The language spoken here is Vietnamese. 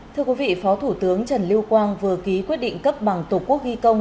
thưa quý vị phó thủ tướng trần lưu quang vừa ký quyết định cấp bằng tổ quốc ghi công